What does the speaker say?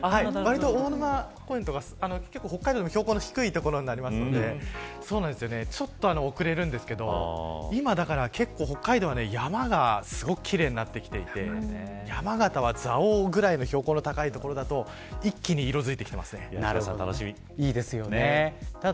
大沼公園とかは北海道でも標高の低い所なんでちょっと遅れるんですけど今、北海道は山がすごく奇麗になってきていて山形は蔵王ぐらいの標高の高い所だと一気に色づいてきています。